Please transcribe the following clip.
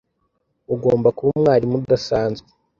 Ugomba kuba umwarimu udasanzwe.